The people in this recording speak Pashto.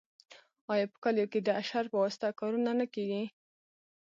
آیا په کلیو کې د اشر په واسطه کارونه نه کیږي؟